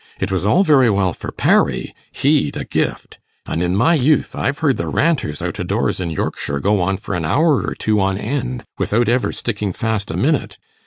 It was all very well for Parry he'd a gift; and in my youth I've heard the Ranters out o' doors in Yorkshire go on for an hour or two on end, without ever sticking fast a minute.